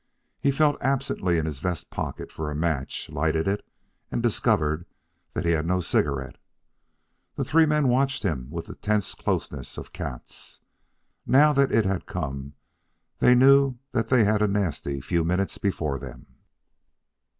He felt absently in his vest pocket for a match, lighted it, and discovered that he had no cigarette. The three men watched him with the tense closeness of cats. Now that it had come, they knew that they had a nasty few minutes before them.